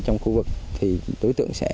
trong khu vực thì đối tượng sẽ